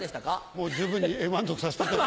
もう十分に満足さしていただき。